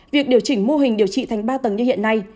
việc điều chỉnh mô hình điều trị thành ba tầng như hiện nay